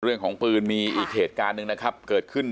เรื่องของปืนมีอีกเหตุการณ์หนึ่งนะครับเกิดขึ้น